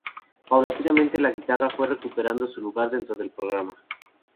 Paulatinamente, la guitarra fue recuperando su lugar dentro del programa.